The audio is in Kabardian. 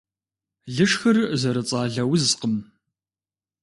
Лышхыр зэрыцӀалэ узкъым.